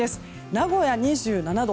名古屋、２７度。